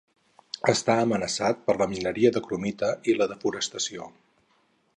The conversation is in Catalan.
Està amenaçat per la mineria de cromita i la desforestació.